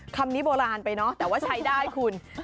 คำนี้โบราณไปเนอะแต่ว่าใช้ได้คุณ